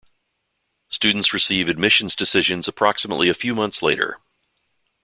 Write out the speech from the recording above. Students receive admissions decisions approximately a few months later.